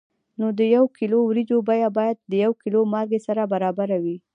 نو د یو کیلو وریجو بیه باید د یو کیلو مالګې سره برابره وي.